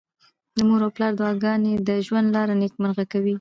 د مور او پلار دعاګانې د ژوند لاره نېکمرغه کوي.